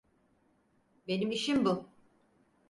Benim işim bu.